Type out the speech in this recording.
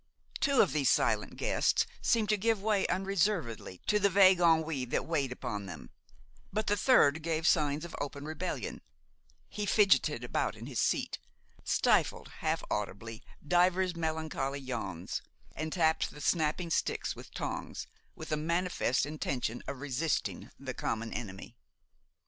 Two of these silent guests seemed to give way unreservedly to the vague ennui that weighed upon them; but the third gave signs of open rebellion: he fidgeted about on his seat, stifled half audibly divers melancholy yawns, and tapped the snapping sticks with tongs, with a manifest intention of resisting the common enemy.